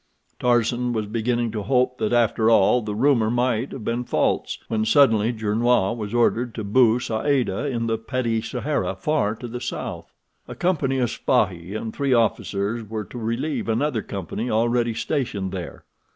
Tarzan was beginning to hope that, after all, the rumor might have been false, when suddenly Gernois was ordered to Bou Saada in the Petit Sahara far to the south. A company of spahis and three officers were to relieve another company already stationed there.